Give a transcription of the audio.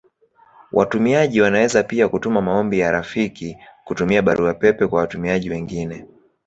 Watumiaji wanaweza pia kutuma maombi ya rafiki kutumia Barua pepe kwa watumiaji wengine.